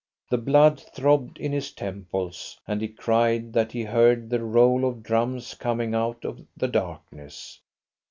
The blood throbbed in his temples, and he cried that he heard the roll of drums coming out of the darkness.